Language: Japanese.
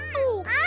あ！